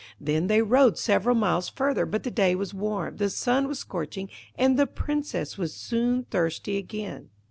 Then they rode several miles further; but the day was warm, the sun was scorching, and the Princess was soon thirsty again.